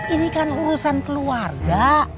ini kan urusan keluarga